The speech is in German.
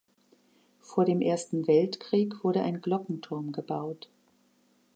Vor dem Ersten Weltkrieg wurde ein Glockenturm gebaut.